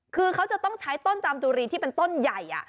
คือเขาจะต้องใช้ต้นจามจุรีที่เป็นต้นใหญ่